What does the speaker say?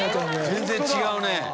全然違うね。